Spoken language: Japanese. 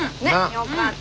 よかった。